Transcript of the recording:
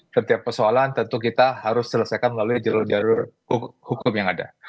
setiap persoalan tentu kita harus selesaikan melalui jalur jalur hukum yang ada